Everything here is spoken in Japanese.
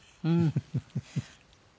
フフフフ。